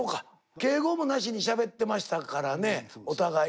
敬語もなしにしゃべってましたからねお互い。